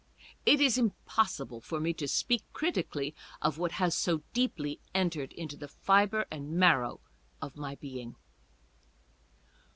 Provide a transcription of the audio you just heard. It is impossible for me to speak critically of what has so deeply en tered into the fibre and marrow of my being.